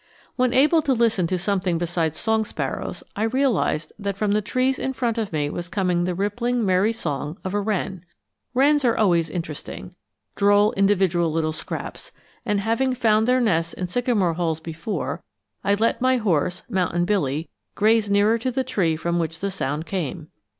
When able to listen to something besides song sparrows, I realized that from the trees in front of me was coming the rippling merry song of a wren. Wrens are always interesting, droll, individual little scraps, and having found their nests in sycamore holes before, I let my horse, Mountain Billy, graze nearer to the tree from which the sound came.